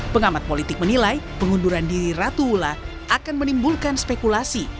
pengamat politik menilai pengunduran diri ratu ulla akan menimbulkan spekulasi